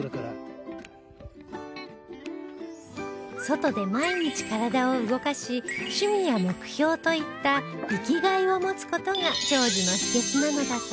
外で毎日体を動かし趣味や目標といった生きがいを持つ事が長寿の秘訣なのだそう